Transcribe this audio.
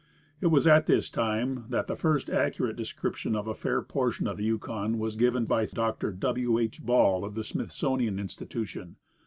It was at this time that the first accurate description of a fair portion of the Yukon was given by Dr. W. H. Ball, of the Smithsonian Institution.